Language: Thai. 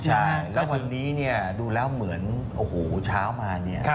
ใช่แล้ววันนี้ดูแล้วเหมือนโอ้โฮเช้ามา